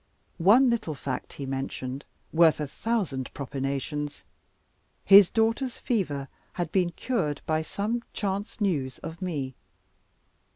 One little fact he mentioned worth a thousand propinations; his daughter's fever had been cured by some chance news of me.